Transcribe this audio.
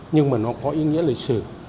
nhưng mà nó có ý nghĩa lịch sử